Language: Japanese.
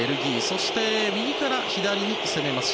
そして、右から左に攻めます